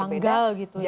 janggal gitu ya